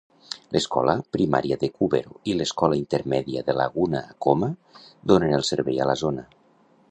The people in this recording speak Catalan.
L'escola primaria de Cubero i l'escola intermèdia de Laguna Acoma donen el servei a la zona.